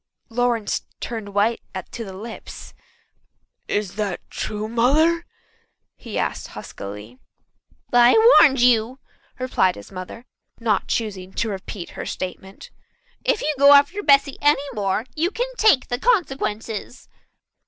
Lawrence turned white to the lips, "Is that true, Mother?" he asked huskily. "I've warned you," replied his mother, not choosing to repeat her statement. "If you go after Bessy any more you can take the consequences."